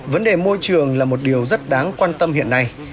vấn đề môi trường là một điều rất đáng quan tâm hiện nay